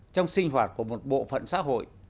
trong sinh hoạt của một bộ phận xã hội